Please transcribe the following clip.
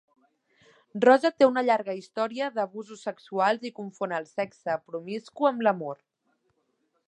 Rosa té una llarga història d'abusos sexuals i confon el sexe promiscu amb l'amor.